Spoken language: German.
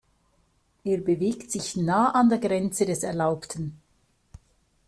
Er bewegt sich nah an der Grenze des Erlaubten.